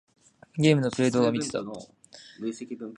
ゲームのプレイ動画みてた。